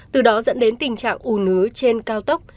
từ đó dẫn đến tình trạng ù nứ trên cao tốc